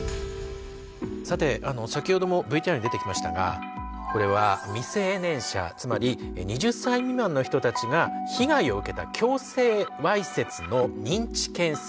さて先ほどもＶＴＲに出てきましたがこれは未成年者つまり２０歳未満の人たちが被害を受けた強制わいせつの認知件数。